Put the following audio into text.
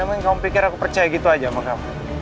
emang kamu pikir aku percaya gitu aja sama kamu